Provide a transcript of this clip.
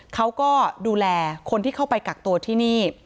เขาก็ดูแลคนที่เข้าไปกักตัวที่นี่